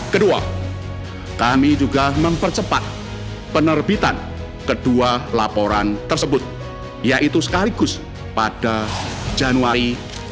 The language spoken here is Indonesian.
kedua kami juga mempercepat penerbitan kedua laporan tersebut yaitu sekaligus pada januari dua ribu dua puluh